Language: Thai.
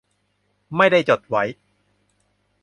ไม่ได้จดไว้